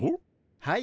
はい。